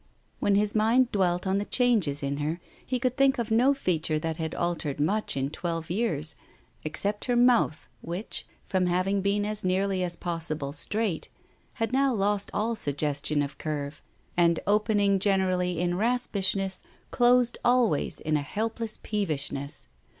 When his mind dwelt on the changes in her, he could think of no feature that had altered much ip twelve r*>j{£g£g, except her mouth which, from having been as nearly as possible straight, had now lost all suggestion of curve, and opening generally in raspishness, closed always in a helpless peevishness.